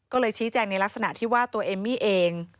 ก็เลยชี้แจงในลักษณะที่ว่าตัวเอมมี่เอง